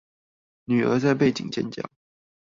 女兒在背景尖叫